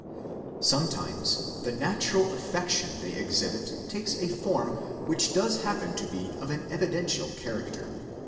Sometimes the natural affection they exhibit takes a form which does happen to be of an evidential character.